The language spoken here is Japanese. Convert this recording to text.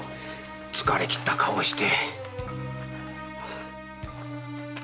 疲れきった顔して。